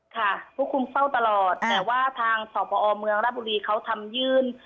ค่ะผู้คุมเฝ้าตลอดแต่ว่าทางสอบประพอเมืองรับบุรีเขาทำยื่น